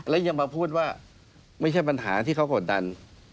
และยังมาพูดว่าไม่ใช่ปัญหาที่เขากดดัน